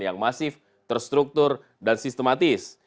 yang masif terstruktur dan sistematis